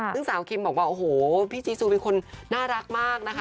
ซึ่งสาวคิมบอกว่าโอ้โหพี่จีซูเป็นคนน่ารักมากนะคะ